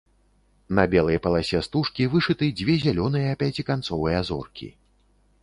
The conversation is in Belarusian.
На белай паласе стужкі вышыты дзве зялёныя пяціканцовыя зоркі.